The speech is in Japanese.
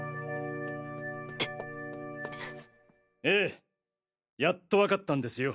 ええやっと分かったんですよ